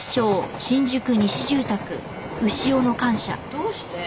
どうして？